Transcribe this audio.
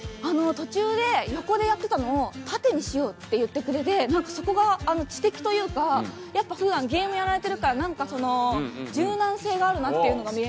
途中で横でやってたのを「縦にしよう」って言ってくれてなんかそこが知的というかやっぱ普段ゲームやられてるからなんかその柔軟性があるなっていうのが見れました。